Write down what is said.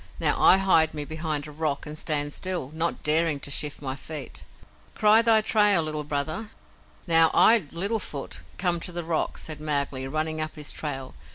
Now I hide me behind a rock and stand still, not daring to shift my feet. Cry thy trail, Little Brother." "Now, I, Little Foot, come to the rock," said Mowgli, running up his trail.